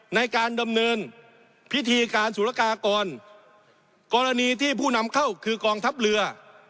ในการดำเนินพิธีการสุรกากรกรณีที่ผู้นำเข้าคือกองทัพเรือ